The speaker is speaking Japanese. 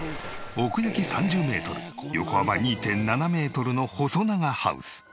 奥行き３０メートル横幅２．７メートルの細長ハウス。